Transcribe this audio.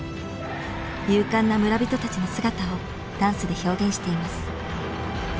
勇敢な村人たちの姿をダンスで表現しています。